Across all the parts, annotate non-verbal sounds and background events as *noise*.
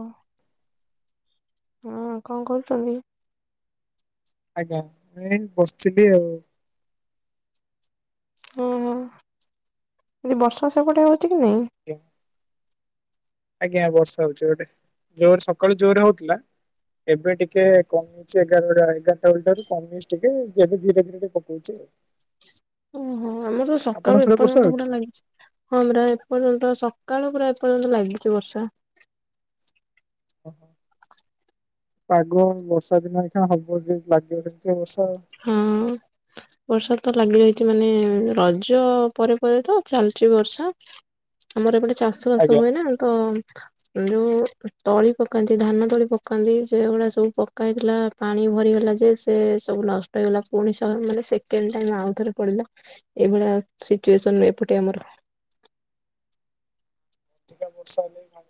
ଓ ହଁ କଣ କରୁଛନ୍ତି? ଆଜ୍ଞା ମୁ ବସିଥିଲି ଆଉ। ଓୋ ଏଠି ବର୍ଷା ସେପଟେ ହଉଛି କି ନାଇଁ? ଆଜ୍ଞା ବର୍ଷା ହଉଛି ଗୋଟେ ଜୋରେ ସକାଳୁ ଜୋରେ ହଉଥିଲା ଏବେ ଟିକେ କଣ ଏଗାରଟା ଏଗାରଟା ବେ ଠାରୁ କମେଇ ଟିକେ ଏବେ ଧୀରେ ଧୀରେ ଟିକେ ପକଉଛି। ଓହୋ ଆମର ତ ଆପଣଙ୍କ ସକାଳୁ ସିଆଡେ ବର୍ଷା ଏପର୍ଯ୍ୟନ୍ତ ପରା ହଉଛି? ନା? ଲାଗିଛି। ହଁମରା ଏପର୍ଯ୍ୟନ୍ତ ସକାଳ ପୁରା ଏପର୍ଯ୍ୟନ୍ତ ଲାଗିଛି ବର୍ଷା। ଓହୋ ପାଗ ବର୍ଷା ଦିନ ଏା ହବ ଯ ଲାଗିବ ସେମିତି ବର୍ଷା। ହଁ ବର୍ଷା ତ ଲାଗି ରହିଛି ମାନେ ରଜ ପରେ ପରେ ତ ଚାଲିଚ ବର୍ଷା। ଆମର ଏ ପଟେ ଚାଷ ବାସ ଆଜ୍ଞା। ହୁଏ ନା ତ ଯୋଉ ତଳି ପକାନ୍ତି ଧାନ ତଳି ପକାନ୍ତି ସେଗୁଡା ସବୁ ପକା ହେଇଥିଲା ପାଣି ଭରିଗଲା ଯେ ସେ ସବୁ ନଷ୍ଟ ହେଇଗଲା ପୁଣି ସ ମାନେ ସେକେଣ୍ଡ ଟା ଆଉଥରେ ପଡିଲା ଏଇଭଳିଆ ସିଚୁଏସନ ଏପଟେ ଆମର ଆା ବର୍ଷା ହେଲେ ଭ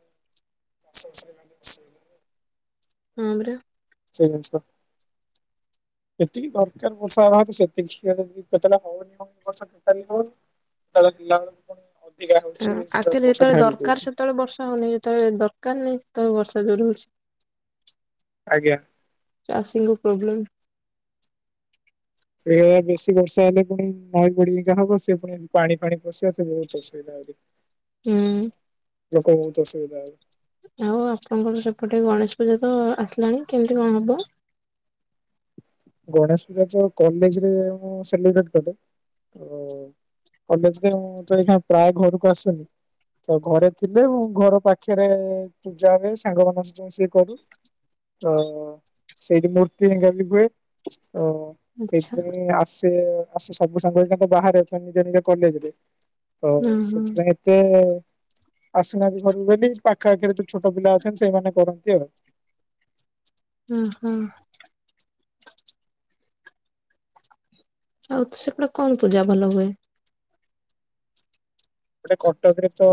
ଚାଷଷ ହେ ଅସୁବିଧ *inaudible* ହଁ ପରା ସେଠିକ୍ ଅଛି ଯେତିକି ଦରକାର ବର୍ଷା ସେତିକିେ *unintelligible* ହଉନି ହଉଷୋଟା ହନି ସେତେବେଳେ ପିଲାବେେଳ କ ହଁ ଆକ୍ଚୁଆଲୀ ଯେତେବେଳେ ଦରକାର ସେତେବେଳେ ବର୍ଷା ହଉନି, ଯେତେବେଳେ ଦରକାର ନାହିଁ ଯେତେବେଳେ ବର୍ଷା ଯୋରେ ହଉଛି। ଆଜ୍ଞା। ଚାଷୀଙ୍କୁ ପ୍ରୋବ୍ଲେମ୍ ସେଇଭଳିଆ ବେଶୀ ବର୍ଷା ହେଲେ ପୁଣି ନଈ ଭଡ଼ି ହେରିକା ହବ ସେ ପୁଣି ପାଣି ଫାଣି ପସିବ ସେ ବହୁତ ଅସୁବିଧା ହେବ। ଆଜ୍ଞା ହୁଁ। ଲୋକ ବୋହୁତ ଅସୁବିଧା ହେବେ ଆଉ ଆପଣଙ୍କର ସେପଟେ ଗଣେଶ ପୂଜା ତ ଆସିଲାଣି କେମିତି କଣ ହବ? ଗଣେଶ ପୂଜା ତ କଲେଜରେ ମୁ ସେଲିବ୍ରେଟ କରେ ତ ତ କଲେଜରେ ମୁଁ ତ ଏଇନା ପ୍ରାୟ ଘରକୁ ଆସୁନି ତ ଘରେ ଥିଲେ ମୁଁ ଘର ପାଖରେ ପୂଜା ହୁଏ, ସାଙ୍ଗ ମାନଙ୍କ ସହ ମିଶିକି କରୁ ତ ସେଇଠୀ ମୂର୍ତ୍ତି ବି ହୁଏ ହୁଏ ତ ଆଚ୍ଛା ସେଇଥିପାଇଁ ଆସେ ଆ ସବୁ ସାଙ୍ଗ ତ ବାହାରେ ଅଛନ୍ତି ନିଜ ନିଜ କଲେଜରେ ତ ହଁ ହଁ ସେଥିପାଇଁ ଏତେ ଆସୁନାହାନ୍ତି ଘରକୁ ବୋଲି ପାଖ ଆଖରେ ଯୋଉ ଛୋଟ ପିଲା ଅଛନ୍ତି ସେଇମାନେ କରନ୍ତି ଆଉ ହଁ, ହଁ। ଆଉ ସେପଟେ କଣ ପୂଜା ଭଲ ହୁଏ? ଏପଟେ କଟକରେ ତ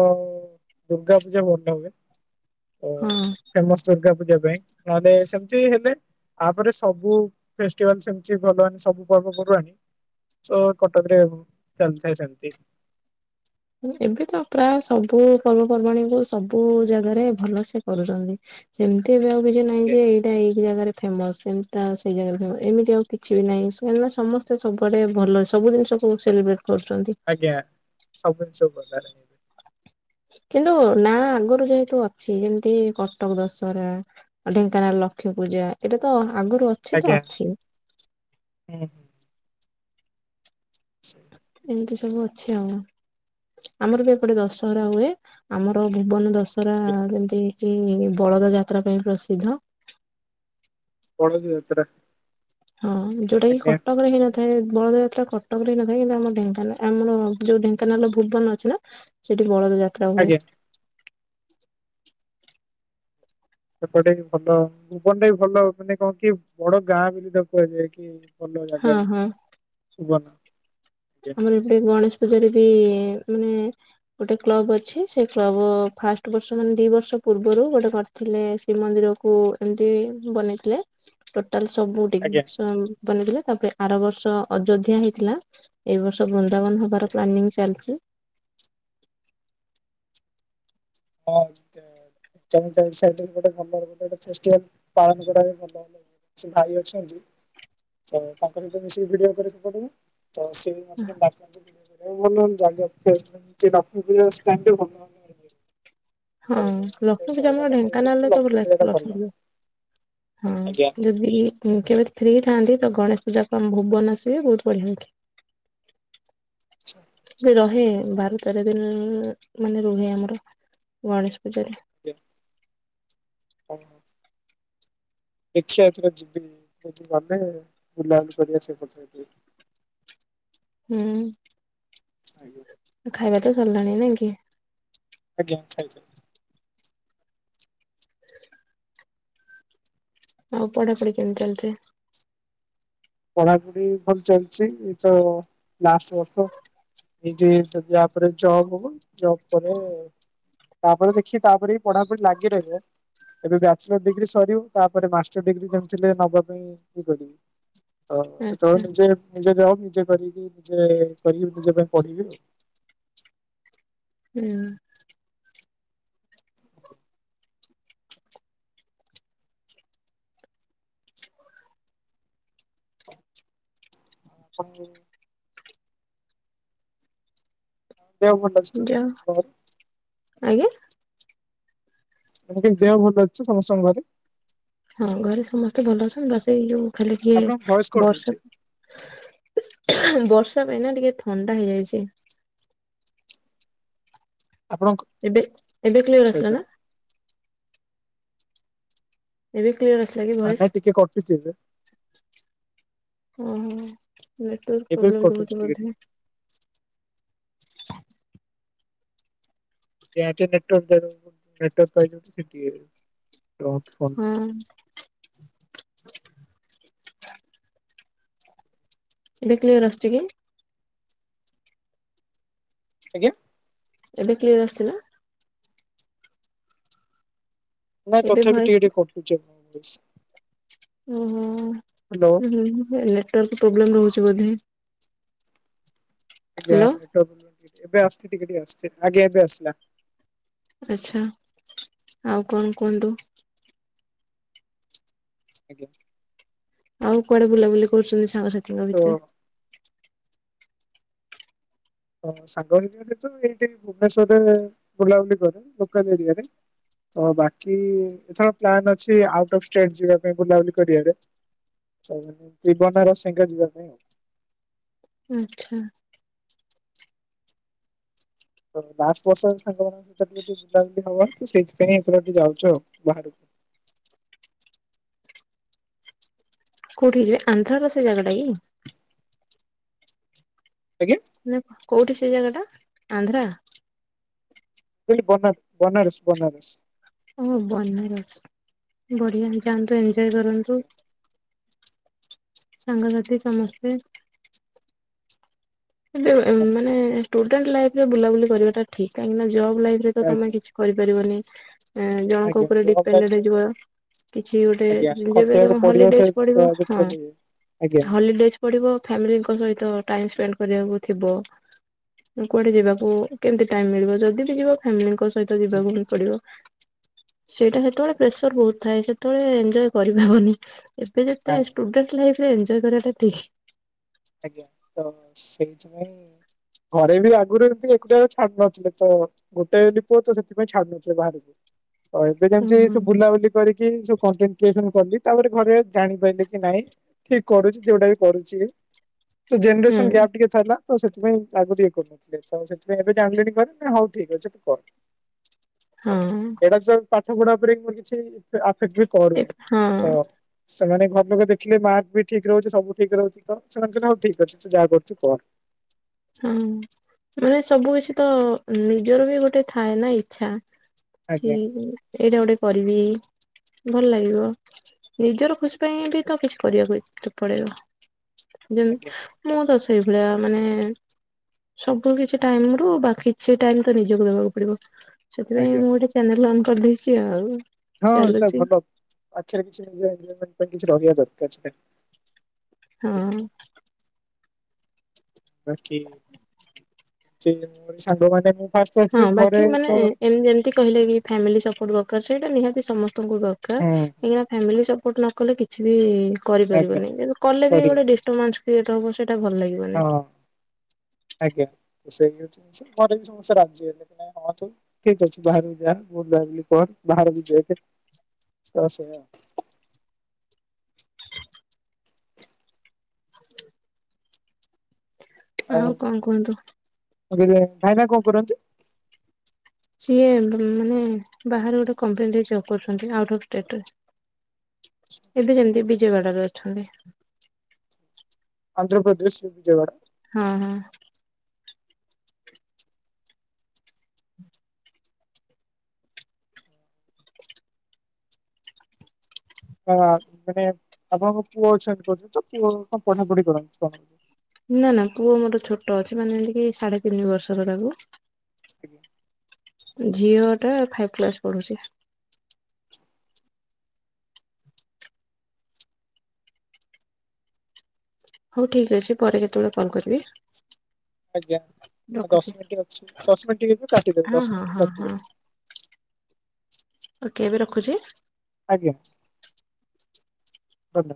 ଦୁର୍ଗା ପୂଜା ଭଲ ହୁଏ ତ ହଁ ଫେମସ ଦୁର୍ଗା ପୂଜା ପାଇଁ, ନ ହେଲେ ସେମିତି ହେଲେ ୟାପରେ ସବୁ ଫେଷ୍ଟିଭାଲ ସେମିତ୍ ଭଲ, ସବୁ ପର୍ବ ପର୍ବାଣି ସ କଟକରେ ଚାଲିଥାଏ ସେମତି ଏବେ ତ ପ୍ରାୟ ସବୁ ପର୍ବପର୍ବାଣୀ କୁ ସବୁ ଜାଗାରେ ଭଲସେ କରୁଛନ୍ତି ସେମିତି ଏବେ ଆଉ କିଛି ନାଇଁ ଆଜ୍ଞା ଯେ ଏଇଟା ଏଇ ଜାଗାରେ ଫେମସ୍ ଏମିତିଟା ସେଇ ଜାଗାରେ ଫେମସ୍ ଏମିତି ଆଉ କିଛି ବି ନାହିଁ, କାହିଁକିନା ସମସ୍ତେ ସବୁଆଡେ ଭଲ ସବୁ ଜିନିଷ କୁ ସେଲିବ୍ରେଟ୍ କରୁଛନ୍ତି ଆଜ୍ଞା ସବୁ ଜିନିଷ *unintelligible* କିନ୍ତୁ ନାଁ ଆଗରୁ ଯେହେତୁ ଅଛି ଯେମିତି କଟକ ଦଶହରା ଢେଙ୍କାନାଳ ଲକ୍ଷ୍ମୀ ପୂଜା ଏଇଟା ତ ଆଗରୁ ଅଛି ତ ଆଜ୍ଞା, ଅଛି। ହୁଁ। *inaudible* ଏମିତି ସବୁ ଅଛି ଆଉ, ଆମର ବି ଏପଟେ ଦଶହରା ହୁଏ ଆମର ଭୁବନ ଦଶହ ରା ଆଜ୍ଞା ଯେମିତି ଏଇଠି କି ବଳଦ ଯାତ୍ରା ପାଇଁ ପ୍ରସିଦ୍ଧ ବଳଦ ଯାତ୍ରା ହଁ ଯୋଉଟା କିି ଆଜ୍ଞା କଟକରେ ହେଇନ ଥାଏ ବଳଦ ଯାତ୍ରା କଟକର ହେଇ ନଥାଏ, କିନ୍ତୁ ଆମ ଢେଙ୍କାନାଳ ଆମର ଯୋଉ ଢେଙ୍କାନାଳ ଭୁବନ ଅଛି ନା ସେଠି ବଳଦ ଯାତ୍ରା ହୁଏ। ଆଜ୍ଞା ସେପଟେ ବି ଭଲ ଭୁବନ ବି ଭଲ ମାନେ କଣ କି ବଡ ଗାଁ ବୋଲି ତ କୁହାଯାଏ କି ଭଲ ଜାଗା ହଁ ବି ହଁ। ଭୁବନ। ଆଜ୍ଞା ଆମର ଏବେ ଗଣେଶ ପୂଜାରେ ବି ମାନେ ଗୋଟେ କ୍ଲବ ଅଛି ସେ କ୍ଲବ ଫାଷ୍ଟ ବର୍ଷ ମାନେ ଦି ବର୍ଷ ପୂର୍ବରୁ ଗୋଟେ କ ଥିଲେ ଶ୍ରୀମନ୍ଦିର କୁ ଏମିତି ବନେଇଥିଲେ। ଟୋଟାଲ ସବୁ ଠିକ୍ ଆଜ୍ଞା ବନେଇଥିଲେ ତାପରେ ଆର ବର୍ଷ ଅଯୋଧ୍ୟା ହେଇଥିଲା। ଏଇ ବର୍ଷ ବୃନ୍ଦାବନ ଆଜ୍ଞା। ହବାର ପ୍ଲାନିଂ ଚାଲିଚି। *inaudible* *inaudible* ଫେଷ୍ଟିଭାଲ ପାଳନ କରାବି ହବ। ସେ ଭାଇ ଅଛନ୍ତି ତ ତାଙ୍କ ସହିତ ମିଶିକି ଭିଡିଓ କରିବାକୁ ପଡିବ ତ ସେ *inaudible* ହଁ ପର୍ବପର୍ବାଣୀ ଟାଇମ୍ ଲକ୍ଷ୍ମୀପୂଜା ଅଲଗା ଆମର ଟାଇମରେ ହୁଏ କିନ୍ତୁ ଢେଙ୍କାନାଳରେ ତ ଲକ୍ଷ୍ମୀ ପୂଜାଟା ଭଲ। ଲକ୍ଷ୍ମୀପୂଜା ହଁ ଆଜ୍ଞା ଆଚ୍ଛା ଯଦି ଦି କେବେ ଫ୍ରି ଥାଆନ୍ତି ତ ଗଣେଶ ପୂଜାକୁ ଆମ ଭୁବନ ଆସିବେ ବୋହୁତ ବଢିଆ ଦେଖିବେ। *inaudible* ରହେ ବାର ତେର ଦିନ ମାନେ ରୁହେ ଆମର ଗଣେଶ ପୂଜାରେ। *unintelligible* *unintelligible* *unintelligible* ହୁଁ ଖାଇବା ତ ସରିଲାଣି ନାଇ କି? ଆଜ୍ଞା *unintelligible* ଆଉ ପଢାପଢି କେମିତି ଚାଲିଚି? ପଢାପଢି ଭଲ ଚାଲିଛି ଏଇ ତ ଲାଷ୍ଟ ବର୍ଷ। ଏଇଠି ଯଦି ୟା ପରେ ଜବ ହବ ଜବ ପରେ ତାପରେ ଦେଖି ତାପରେ ବି ପଢାପଢି ଲାଗି ରହିବ। ଏବେ ବ୍ୟାଚଲର ଡିଗ୍ରୀ ସରିବୁ ତାପରେ ମାଷ୍ଟର ଡିଗ୍ରୀ *unintelligible* ନବା ପାଇଁ ଇଏ କରିବି। ଆଉ ଆଚ୍ଛା ସେତୋବେଳେ ନିଜେ ନିଜେ *unintelligible* ନିଜ ପାଇଁ ବଢ଼ିବି ଆଉ। ହୁଁ। *unintelligible* *unintelligible* ମୁଁ *unintelligible* ଆଜ୍ଞା। ମୁଁ କହିନି ଦେହ ଭଲ ଅଛି ତ ସମସ୍ତଙ୍କ ଘରେ? ହଁ ଘରେ ସମସ୍ତେ ଭଲ ଅଛନ୍ତି ବାସ ଏଇ ଯୋଉ ଖାଲି ଆପଣଙ୍କ ଟିକେ ଭଏସ କଟ ହଉଛି ବର୍ଷାକୁ ବର୍ଷା ପାଇଁ ନା ଟିକେ ଥଣ୍ଡା ହେଇଯାଇଚି। ଆପଣଙ୍କୁ? ଏବେ ଏବେ କ୍ଲିୟର ଆସିଲାନା? ଏବେ କ୍ଲିୟର ଆସି। ଆ ନାଇଁ ଟିକେ *unintelligible* ଓହୋ ଏବେ ନେଟୱାର୍କ ବି କଟୁଛି ଟିକେ ଟିକେ। ପ୍ରୋବ୍ଲେମ୍ *unintelligible* *unintelligible* ରହନ୍ତୁ ଫୋନଟା। ହୁଁ ଏବେ କ୍ଲିୟର ଆସୁଚି କି? ଆଜ୍ଞା? ଏବେ କ୍ଲିୟର ଆସୁଚି ନା? ନାଇଁ ଏବେ ତଥାପି ଭଏସ୍ ଟିକେ ଟିକେ କଟୁଚି ଆପଣ ଙ୍କ ଭଏସେ। ଓହୋ ଉଁ ହୁଁ ନେଟୱାର୍କ ପ୍ରୋବ୍ଲେମ ରୋହୁଛି ବୋଧେ। ଆଜ୍ଞା ହ୍ୟାଲୋ ନେଟୱାକ୍ ପୋବ୍ଲେମ ଟିକେ ଟିକେ ଏଵେ ଆସୁଚି ଟିକେ ଟିକେ ଆସୁଚି ଆଜ୍ଞ ଏବେଆସିଲା। ଆଛା ଆଉ କଣ କୁହନ୍ତୁ? ଆଜ୍ଞା। ଆଉ କୁଆଡେ ବୁଲାବୁଲି କରୁଛନ୍ତି ସାଙ୍ଗସାଥିୀଙ୍କ ତ ଭିତରେ। ହ ସାଙ୍ଗ ହେଇକି ଏରିଆରେ ତ ଏଇଠି ଭୁବନେସ୍ଵର ବୁଲା ବୁଲି କରୁ ଲୋକାଲ ଏରିଆରେ। *unintelligible* ତ ବାକି ଏଥର ପ୍ଲାନ୍ ଅଛି ଆଉଟ୍ ଅଫ୍ ଷ୍ଟେଟ୍ ଯିବା ପାଇଁ ବୁଲାବୁଲି କରିବାରେ। ହଉ ଜୀବନର ସିଙ୍ଗ ଯିବା ପାଇଁ ଆଉ ଆଛା। ତ ଲାଷ୍ଟ ବର୍ଷରେ ସାଙ୍ଗମାନଙ୍କ ସେତ ଟିକେ ଟେ ବୁଲାବୁଲି ହବ ତ ସେଇଥିପାଇଁ ଏଇଥରକ ଟିକେ ଯାଉଛୁ ବାହାରକୁ। କୋଉଠିକି ଯିବେ? ଆନ୍ଧ୍ରାର ସେଇ ଜାଗା ଟା କି। ଆଜ୍ଞା। ମନେ କୋଉଠି ସେ ଜାଗା ଟା ଆନ୍ଧ୍ରା। କହଲି ବନାର ବନାରସ ବନାରସ। ଓ ବନାରସ ବଢିଆ ହେଇଥାନ୍ତା ଏଞ୍ଜୟ୍ କରନ୍ତୁ। ସାଙ୍ଗସାଥି ସମସ୍ତେ। ଏବେ ଆଜ୍ଞା ମାନେ ଷ୍ଟୁଡେଣ୍ଟ ଲାଇଫ ରେ ବୁଲାବୁଲି କରିବା ଠିକ୍ କାହିଁକିନା ଜବ୍ ଲାଇଫ ରେ ତମେ ଆଜ୍ଞା କିଛି କରିପାରିବନି ଜଣଙ୍କ ଆଜ୍ଞା ଉପରେ ଜବ୍ ଡିପେଣ୍ଡଡେ ଲାଇଫରେ ହେଇଯିବ। କିଛି ଗୋଟେ ଆଜ୍ଞା ଯେବେ ଖଟିବାକୁ ତମ ପଡିବ ସେ ହଲିଡେଜ ଅ, ପଡିବ ହଁ ଯେତେ ବି। ଆଜ୍ଞା। ହଲିଡେଜ ପଢିବ ଫ୍ୟାମିଲିଙ୍କ ସହିତ ଟାଇମ ସ୍ପଣ୍ଡ କରିବାକୁ ଥିବ କୁଆଡେ ଯିବାକୁ କେମତି ଟାଇମ ମିଳିବ ଯଦି ବି ଯିବ ଫାମିଲିଙ୍କ ସହିତ ହଁ। ଯିବାକୁ ହିଁ ପଡିବ। ସେଇଟା ସେତେବେଳେ ପ୍ରେସର ବହୁତ ଥାଏ ସେତେବେଳେ ଏଞ୍ଜୟ୍ କରିପବନି ଏବେ ଯେତେ ନାଇଁ ଷ୍ଟୁଡେଣ୍ଟ ଲାଇଫ ରେ ଏଞ୍ଜୟ୍ କରିବାଟା ଠିକ। ଆଜ୍ଞା ତ ସେଇଥିପାଇଁ ଘରେ ବି ଆଗରୁ ଏମିତି ଏକୁଟିଆ ଛାଡୁ ନଥିଲେ ତ ଗୋଟାଏ ବୋଲି ପୁଅ ତ ସେଥିପାଇଁ ଛାଡୁଥିଲେ ବାହାରକୁ, ତ ଏବେ ହୁଁ ଯେମିତି ସବ ବୁଲାବୁଲି କୁଆଡେକି ଜୋ କଣ୍ଟେନ କ୍ରିଏସନ କଲି ତାପରେ ଘରେ ଜାଣି ପାରିଲେ କି ନାଇଁ ଠିକ କରୁଛି ଯୋଉଟା ବି କରୁଛି ତ ହଁ ଜେମିଣ୍ଡସନ ଗ୍ୟାପ୍ ଟିକେ ଥିଲା ତ ସେଥିପାଇଁ ଆଗରୁ ଇଏ କରୁନଥିଲେ ତ ସେଥିପାଇଁ ଏବେ ଜାଣିଲେଣି ଘରେ ହଉ ଠିକ ଅଛି ତୁ କର। *inaudible* ଏଇଟା ତ ପାଠ ପଢା ଉପରେ ମୋର କିଛି ଆଫେକ୍ଟ ବି ଏ କରୁନି ହଁ ତ ସେମାନେ ଘର ଲୋକ ଦେଖିଲେ ମାର୍କ ବି ଠିକ ରହୁଛି ସବୁ ଠିକ ରହୁଛି ତ ସେମାନେ କହିଲେ ହଉ ଠିକ ଅଛି ତୁ ଯାହା କରୁଛୁ କର। ହଁ ମାନେ ସବୁ କିଛି ତ ନିଜର ବି ଗୋଟେ ଥାଏ ନା ଇଛା। ଛି ଆଜ୍ଞା ଏଇଟା ଗୋଟେ କରିବି ଭଲ ଲାଗିବ ନିଜର ଖୁସି ପାଇଁ ବି ତ କିଛି କରିବା ପାଇଁ ପଡିବ। ଯେମ ଆଜ୍ଞା ମୁଁ ତ ସେଇ ଭଳିଆ ମାନେ ସବୁ କିଛି ଟାଇମ ରୁ ବାକିଛି ଟାଇମ ତ ନିଜକୁ ଦେବାକୁ ପଡିବ। ସେଥିପାଇଁ ଆଜ୍ଞା ମୁଁ ଗୋଟେ ଚ୍ୟାନେଲ ଅନ୍ କରିଦେଇଛି ଆଉ। ହଁ ଚାଲୁଛି ଭଲ ପାଖରେ କିଛି ନିଜର କିଛି ରହିବା ଦରକାର ସେ ହଁ। ବାକି ମୁ ସାଙ୍ଗ ମାନେ ହଁ ବାକି ମାନେ ଏମତି ଜେମ କହିଲେ କି ଫ୍ୟାମିଲି ସପୋର୍ଟ ଦରକାର ସେଇଟା ନିହାତି ସମସ୍ତଙ୍କୁ ଦରକାର କାହିଁକିନା ଫ୍ୟାମିଲି ସପୋର୍ଟ ନ କଲେ କିଛି ବି ଆଜ୍ଞା କରିପାରିବନି କଲେ ବି କରିହବ ଗୋଟେ ଡି ଷ୍ଟୋମାସ କ୍ରିଏଟ ହବ ସେଟା ଭଲ ଲାଗିବ ହଁ ଆଜ୍ଞା ସେ ଜିନିଷ ଘର ବି ସମସ୍ତେ ରାଜି ଅଛନ୍ତି। ହଁ ତ ଠିକ୍ ଅଛି ବାହାରକୁ ଯା ବୁଲାବୁଲି କର ବାହାରକୁ ଦେଖେ ତ ସେଆ। ଆଉ କଁ କୁହନ୍ତୁ? *unintelligible* ଭାଇନା କଁ କରନ୍ତି? ସିଏ ମାନେ ବାହାରେ ଗୋଟେ କମ୍ପାନୀ ରେ ଜବ କରୁଚନ୍ତି ଆଉଟ୍ ଅଫ୍ ଷ୍ଟେଟ ରେ ଏବେ ଯେମିତି ବିଜୟବାଡାରେ ଅଛନ୍ତି। ଆନ୍ଧ୍ରପ୍ରଦେଶରେ ବିଜୟବାଡ଼ା? ହଁ ହଁ। *inaudible* ହଁ ମାନେ ଆପଣଙ୍କ ପୁଅ ଅଛନ୍ତି କହୁଛନ୍ତି ତ ପୁଅ କଣ ପଢାପଢି କରନ୍ତି କଣ? ନା ନା ପୁଅ ମୋର ଛୋଟ ଅଛି ମାନେ ଟିକେ ସାଢେ ତିନି ବର୍ଷର ତାକୁ। ଆଜ୍ଞା। ଝିଅ ଟା ଫାଇପ୍ କ୍ଲାସ ପଢୁଚି। ହୋଉ ଠିକ୍ ଅଛି ପରେ କେତେବେଳେ କଲ୍ କରିବି। ଆଜ୍ଞା ଆଉ ରଖୁଛି। ଦଶ ମିନିଟ୍ ଅଛି ଦଶ ମିନିଟ୍ ହେଇଯିବ କାଟିଦେବେ ହଁ ଦଶ ହଁ ମିନିଟ ହଁ ହଁ ଗପିବେ। ଓକେ ଏବେ ରଖୁଚି। ଆଜ୍ଞା ଧନ୍ୟବାଦ।